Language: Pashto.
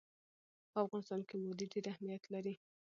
په افغانستان کې وادي ډېر اهمیت لري.